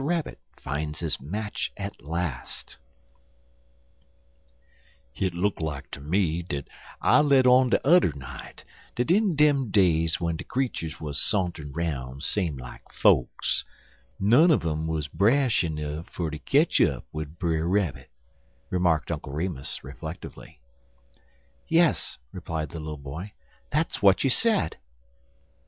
RABBIT FINDS HIS MATCH AT LAST "HIT look like ter me dat I let on de udder night dat in dem days w'en de creeturs wuz santer'n 'roun' same like fokes, none un um wuz brash nuff fer ter ketch up wid Brer Rabbit," remarked Uncle Remus, reflectively. "Yes," replied the little boy, "that's what you said."